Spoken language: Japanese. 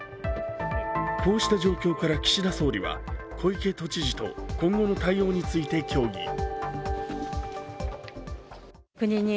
こうした状況から岸田総理は小池都知事と今後の対応について協議。